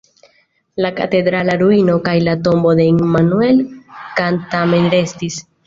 La katedrala ruino kaj la tombo de Immanuel Kant tamen restis.